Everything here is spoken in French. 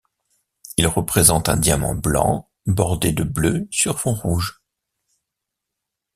Il représente un diamant blanc bordé de bleu sur fond rouge.